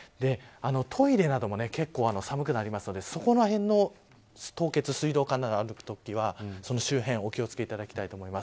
トイレなども結構寒くなるのでそこら辺の凍結水道管などあるときはその周辺にお気を付けていただきたいと思います。